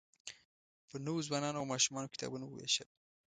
پر نوو ځوانانو او ماشومانو کتابونه ووېشل.